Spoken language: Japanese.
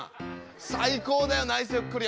最高だよナイスひょっこり。